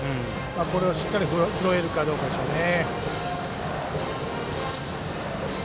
これをしっかり振れるかどうかですね。